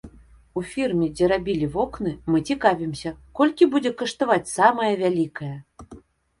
У фірме, дзе рабілі вокны, мы цікавімся, колькі будзе каштаваць самая вялікае.